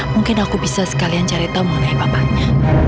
mungkin aku bisa sekalian cari tahu mengenai bapaknya